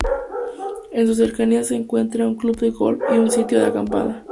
En sus cercanías se encuentra un club de golf y un sitio de acampada.